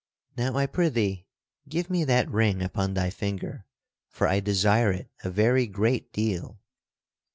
Now I prithee give me that ring upon thy finger, for I desire it a very great deal."